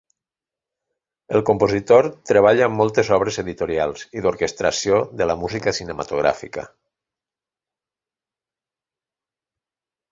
El compositor treballa en moltes obres editorials i d'orquestració de la música cinematogràfica.